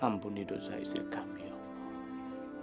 ampuni dosa izin kami ya allah